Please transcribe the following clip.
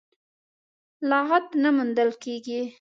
لغت نه موندل کېږي.